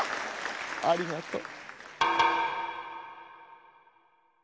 ありがとう。